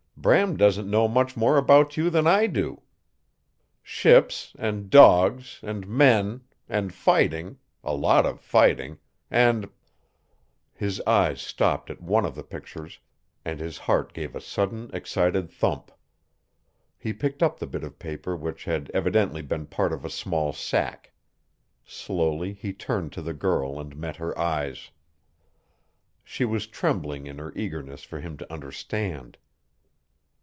Bram doesn't know much more about you than, I do. Ships, and dogs, and men and fighting a lot of fighting and " His eyes stopped at one of the pictures and his heart gave a sudden excited thump. He picked up the bit of paper which had evidently been part of a small sack. Slowly he turned to the girl and met her eyes. She was trembling in her eagerness for him to understand.